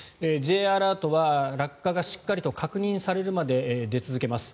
Ｊアラートは落下がしっかりと確認されるまで出続けます。